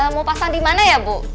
mau pasang dimana ya bu